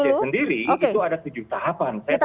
karena okoc sendiri itu ada tujuh tahapan